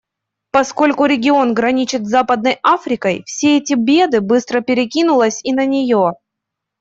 Поскольку регион граничит с Западной Африкой, все эти беды быстро перекинулось и на нее.